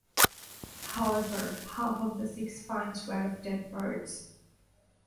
However, half of the six finds were of dead birds.